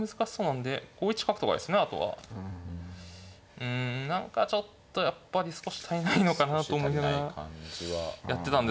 うん何かちょっとやっぱり少し足りないのかなと思いながらやってたんですけど。